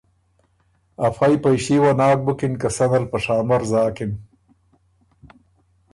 افئ پئݭي وه ناک بُکِن که سنه ل په شامر زاکِن۔